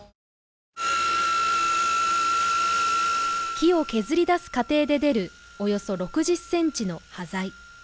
木を削り出す過程で出るおよそ６０ｃｍの端材。